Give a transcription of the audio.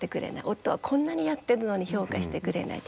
夫はこんなにやってるのに評価してくれない。